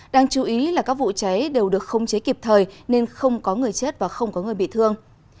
đáng chú ý là các vụ cháy đều được khống chế kịp thời nên không có người chết và không có người bị thương